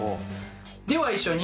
では一緒に。